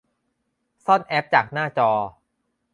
ซ่อนแอปจากหน้าจอ